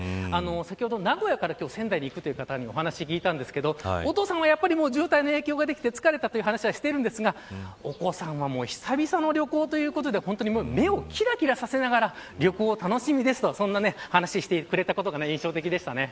先ほど名古屋から仙台に行くという方にお話を聞きましたがお父さんは渋滞の影響で疲れたという話をしていましたがお子さんは久々の旅行ということで目をきらきらさせながら旅行楽しみですという話をしてくれたことが印象的でした。